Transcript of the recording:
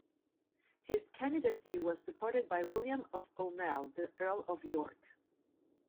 His candidacy was supported by William of Aumale, the Earl of York.